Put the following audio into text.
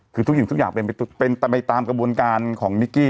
คือทุกสิ่งทุกอย่างเป็นไปตามกระบวนการของนิกกี้